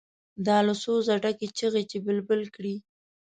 دا له سوزه ډکې چیغې چې بلبل کړي.